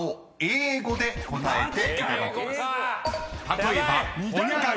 ［例えば］